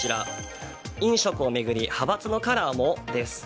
飲食を巡り派閥のカラーも？です。